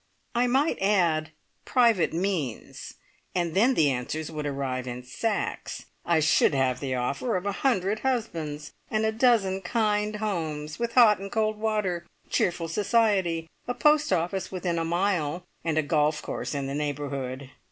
I might add "private means," and then the answers would arrive in sacks, I should have the offer of a hundred husbands, and a dozen kind homes, with hot and cold water, cheerful society, a post office within a mile, and a golf course in the neighbourhood.